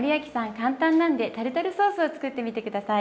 簡単なんでタルタルソースを作ってみて下さい。